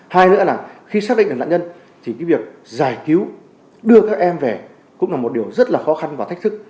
hai nữa là khi xác định được nạn nhân thì cái việc giải cứu đưa các em về cũng là một điều rất là khó khăn và thách thức